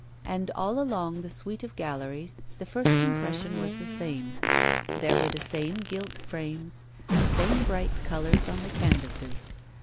And all along the suite of galleries the first impression was the same there were the same gilt frames, the same bright colours on the canvases.